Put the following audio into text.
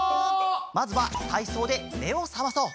まずはたいそうでめをさまそう！